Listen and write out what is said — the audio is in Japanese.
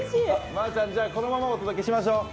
まーちゃん、このままお届けしましょう。